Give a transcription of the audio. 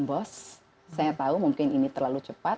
bos saya tahu mungkin ini terlalu cepat